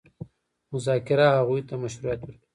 مذاکره هغوی ته مشروعیت ورکوي.